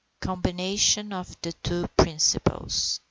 COMBINATION OF THE TWO PRINCIPLES.